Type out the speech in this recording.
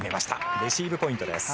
レシーブポイントです。